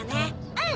うん！